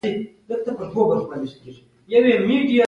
خپل بوټونه یې په پټو کې پیچلي شاته اچولي وه.